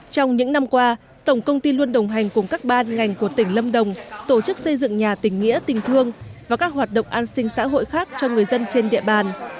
trong những năm qua tổng công ty luôn đồng hành cùng các ban ngành của tỉnh lâm đồng tổ chức xây dựng nhà tỉnh nghĩa tỉnh thương và các hoạt động an sinh xã hội khác cho người dân trên địa bàn